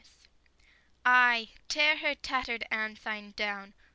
_ Ay, tear her tattered ensign down!